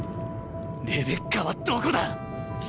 レベッカはどこだ！